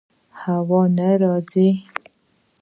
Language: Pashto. هوا نه راځي